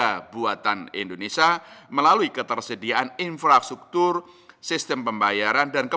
dan kemudahan penggunaan instrumen pembayaran non tunai atau instrumen pembayaran digital